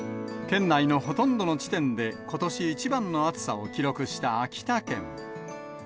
県内のほとんどの地点で、ことし一番の暑さを記録した秋田県。